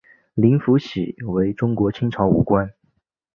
林福喜为中国清朝武官。